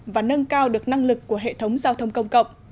và nâng cao được năng lực của hệ thống giao thông công cộng